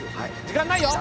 時間ないよ。